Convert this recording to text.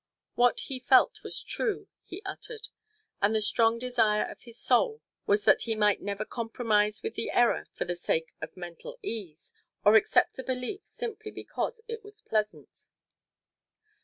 What he felt was true, he uttered; and the strongest desire of his soul was that he might never compromise with the error for the sake of mental ease, or accept a belief simply because it was pleasant.